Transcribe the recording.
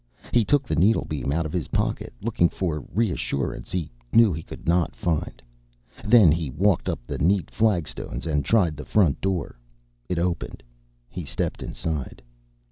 He took the needlebeam out of his pocket, looking for a reassurance he knew he could not find. Then he walked up the neat flagstones and tried the front door. It opened. He stepped inside.